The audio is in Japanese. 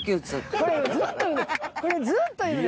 これずっと言う。